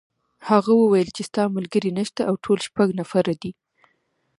هغه وویل چې ستا ملګري نشته او ټول شپږ نفره دي.